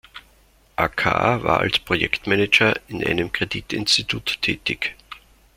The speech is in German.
Acar war als Projektmanager in einem Kreditinstitut tätig.